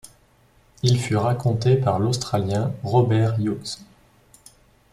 Il fut raconté par l'Australien Robert Hughes.